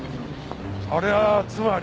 ありゃあつまり。